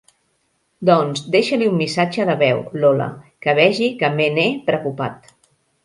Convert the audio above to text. Doncs deixa-li un missatge de veu, Lola, que vegi que me n'he preocupat.